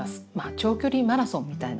長距離マラソンみたいなもの。